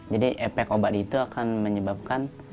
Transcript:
jadi efek obat itu akan menyebabkan